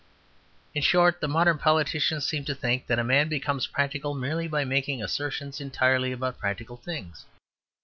In short, the modern politicians seem to think that a man becomes practical merely by making assertions entirely about practical things.